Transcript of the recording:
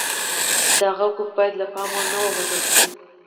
د هغه حقوق باید له پامه ونه غورځول شي.